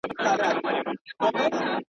تر پښو لاندي قرار نه ورکاوه مځکي!